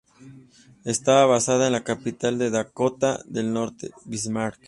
Está basada en la Capital de Dakota del Norte, Bismarck.